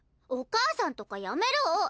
お母さんとかやめるお！